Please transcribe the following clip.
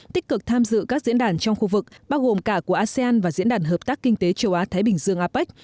tích cực tham dự các diễn đàn trong khu vực bao gồm cả của asean và diễn đàn hợp tác kinh tế châu á thái bình dương apec